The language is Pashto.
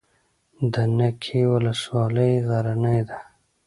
د نکې ولسوالۍ غرنۍ ده